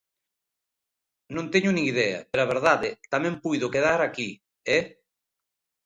Non teño nin idea, pero a verdade; tamén puido quedar aquí, eh.